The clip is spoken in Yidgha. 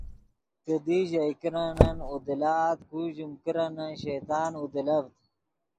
کیدی ژئے کرنن اودیلآت کو ژیم کرنن شیطان اودیلڤد